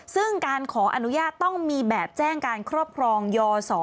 ซึ่งการขออนุญาตต้องมีแบบแจ้งการครอบครองยศ